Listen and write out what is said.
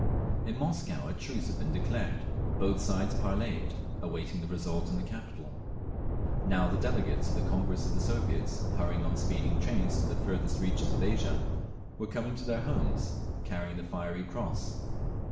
In Moscow a truce had been declared; both sides parleyed, awaiting the result in the capital. Now the delegates to the Congress of Soviets, hurrying on speeding trains to the farthest reaches of Asia, were coming to their homes, carrying the fiery cross.